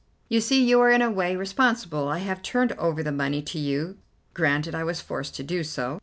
"You see you are in a way responsible. I have turned over the money to you. Granted I was forced to do so.